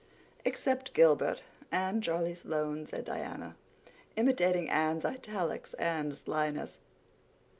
"Except Gilbert—and Charlie Sloane," said Diana, imitating Anne's italics and slyness.